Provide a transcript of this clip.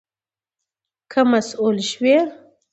که مسؤول شوې